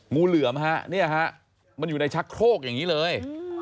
งูเหลือมมันอยู่ในชักโครกอย่างนี้เลย